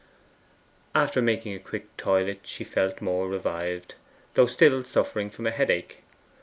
After making a quick toilet she felt more revived, though still suffering from a headache.